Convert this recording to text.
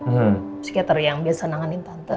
psikiater yang biasa nanganin tante